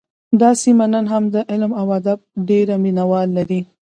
دا سیمه نن هم د علم او ادب ډېر مینه وال لري